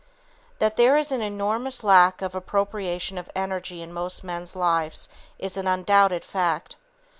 That there is an enormous lack of appropriation of energy in most men's lives is an undoubted fact.